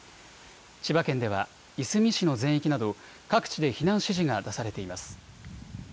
千葉県ではいすみ市の全域など各地で避難指示が出されています。